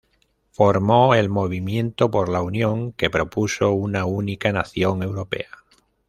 Formó el Movimiento por la Unión, que propuso una única nación europea.